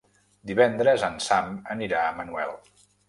Divendres en Sam anirà a Manuel.